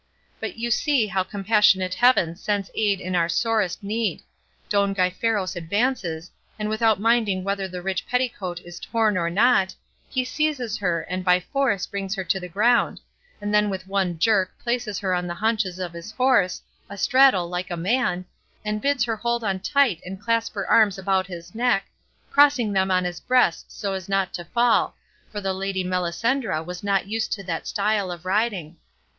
But you see how compassionate heaven sends aid in our sorest need; Don Gaiferos advances, and without minding whether the rich petticoat is torn or not, he seizes her and by force brings her to the ground, and then with one jerk places her on the haunches of his horse, astraddle like a man, and bids her hold on tight and clasp her arms round his neck, crossing them on his breast so as not to fall, for the lady Melisendra was not used to that style of riding.